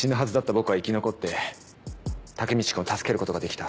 僕は生き残ってタケミチ君を助けることができた。